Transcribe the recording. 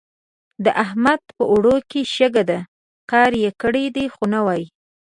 د احمد په اوړو کې شګه ده؛ کار يې کړی دی خو نه وايي.